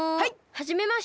はじめまして。